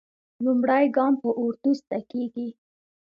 لومړی ګام په اردو زده کېږي.